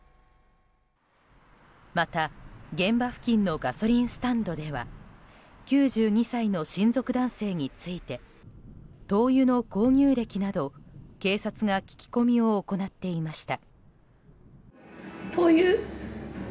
また、現場付近のガソリンスタンドでは９２歳の親族男性について灯油の購入歴など、警察が聞き込みを行っていました。